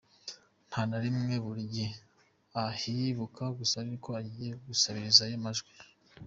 Nta na rimwe, buri gihe ahibuka gusa ari uko agiye gusabirizayo amajwi.